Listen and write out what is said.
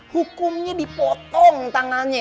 hukumnya dipotong tangannya